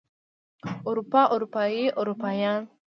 اروپا اروپايي اروپايان